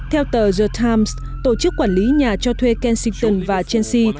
theo tờ the times tổ chức quản lý nhà cho thuê kensington và chelsea